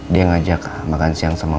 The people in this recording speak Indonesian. dia ngajak makan siang sama